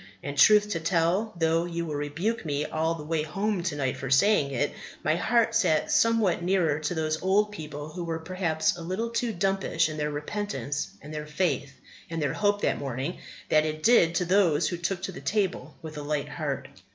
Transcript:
And, truth to tell, though you will rebuke me all the way home to night for saying it, my heart sat somewhat nearer to those old people who were perhaps a little too dumpish in their repentance and their faith and their hope that morning, than it did to those who took to the table with a light heart.